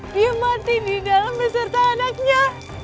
dia mati di dalam beserta anaknya